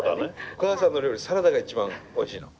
お母さんの料理サラダが一番おいしいの？